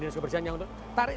tarik semuanya untuk nyedot air